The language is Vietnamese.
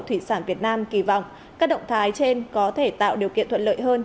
thủy sản việt nam kỳ vọng các động thái trên có thể tạo điều kiện thuận lợi hơn